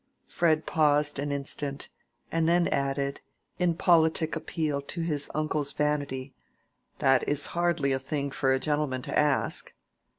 Fred paused an instant, and then added, in politic appeal to his uncle's vanity, "That is hardly a thing for a gentleman to ask."